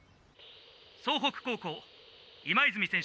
総北高校今泉選手